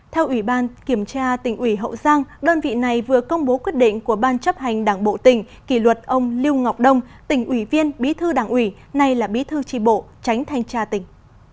theo ủy ban kiểm tra tỉnh ủy hậu giang đơn vị này vừa công bố quyết định của ban chấp hành đảng bộ tỉnh kỷ luật ông lưu ngọc đông tỉnh ủy viên bí thư đảng ủy nay là bí thư tri bộ tránh thanh tra tỉnh